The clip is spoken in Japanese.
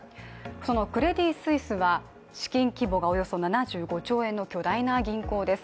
そのクレディ・スイスは資金規模がおよそ７５兆円の巨大な銀行です。